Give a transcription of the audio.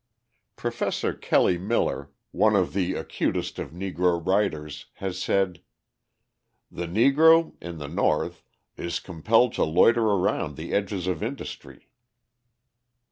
Professor Kelly Miller, one of the acutest of Negro writers, has said: "The Negro (in the North) is compelled to loiter around the edges of industry."